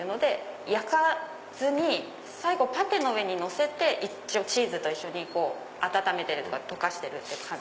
焼かずに最後パテの上にのせてチーズと一緒に温めてるというか溶かしてるって感じ。